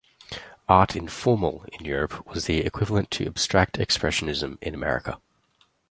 Art Informel in Europe was the equivalent to Abstract Expressionism in America.